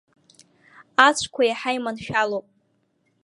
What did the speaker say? Ацәқәа иаҳа иманшәалоуп.